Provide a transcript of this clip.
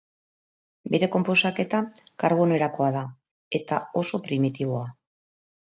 Bere konposaketa, karbono erakoa da, eta oso primitiboa.